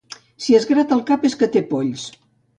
Si es grata el cap és que té polls.